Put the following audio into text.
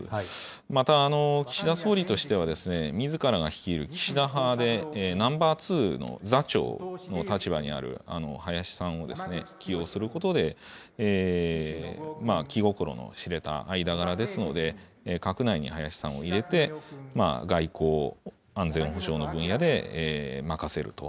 また岸田総理としては、みずからが率いる岸田派で、ナンバー２の座長の立場にある林さんを起用することで、気心の知れた間柄ですので、閣内に林さんを入れて、外交・安全保障の分野で任せると。